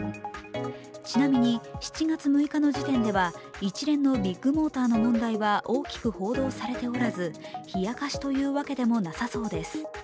ちなみに７月６日の時点では一連のビッグモーターの問題は大きく報道されておらず、冷やかしというわけでもなさそうです。